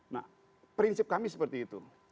nah prinsip kami seperti itu